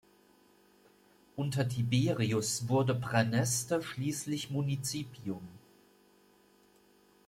Unter Tiberius wurde Praeneste schließlich Municipium.